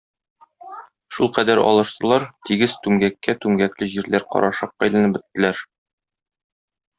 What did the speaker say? Шулкадәр алыштылар - тигез - түмгәккә, түмгәкле җирләр карашакка әйләнеп беттеләр.